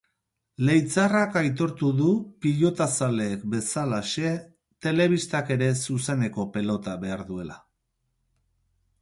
Leitzarrak aitortu du, pilotazaleek bezalaxe, telebistak ere zuzeneko pelota behar zuela.